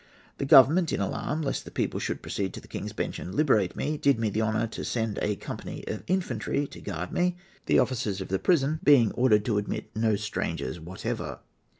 The Government, in alarm lest the people should proceed to the King's Bench and liberate me, did me the honour to send a company of infantry to guard me, the officers of the prison being ordered to admit no strangers whatever.